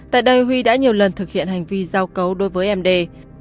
tại đây huy đã nhiều lần thực hiện hành vi giao cấu đối với em dê